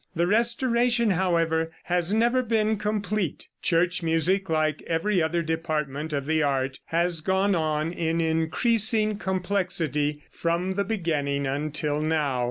The restoration, however, has never been complete. Church music, like every other department of the art, has gone on in increasing complexity from the beginning until now.